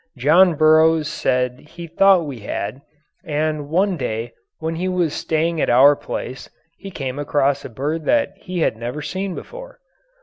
John Burroughs said he thought we had, and one day when he was staying at our place he came across a bird that he had never seen before.